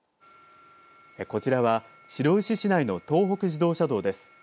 こちらは白石市内の東北自動車道です。